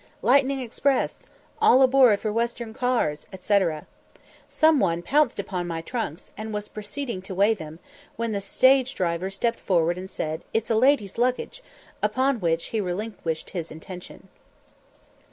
"Lightning Express!" "All aboard for the Western cars," &c. Some one pounced upon my trunks, and was proceeding to weigh them, when the stage driver stepped forward and said, "It's a lady's luggage," upon which he relinquished his intention.